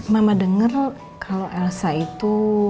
mama dengar kalau elsa itu